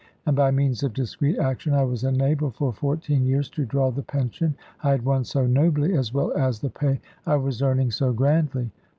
And by means of discreet action, I was enabled for fourteen years to draw the pension I had won so nobly, as well as the pay I was earning so grandly.